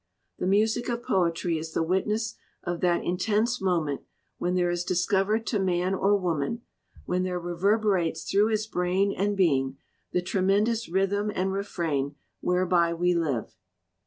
The music of poetry is the witness of that intense mo ment when there is discovered to man or woman, when there reverberates through his brain and being, the tremendous rhythm and refrain where by we live."